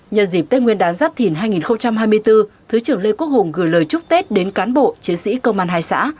nhân dịp tết nguyên đán giáp thìn hai nghìn hai mươi bốn thứ trưởng lê quốc hùng gửi lời chúc tết đến cán bộ chiến sĩ công an hai xã